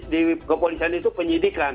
di kepolisian itu penyidikan